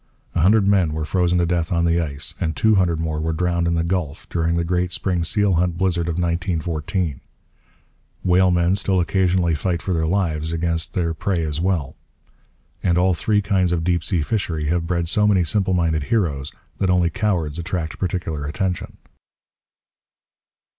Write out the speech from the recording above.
A hundred men were frozen to death on the ice, and two hundred more were drowned in the Gulf, during the great spring seal hunt blizzard of 1914. Whalemen still occasionally fight for their lives against their prey as well. And all three kinds of deep sea fishery have bred so many simple minded heroes that only cowards attract particular attention.